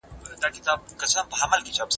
د روغتيا دوامدار عادتونه جوړ کړئ.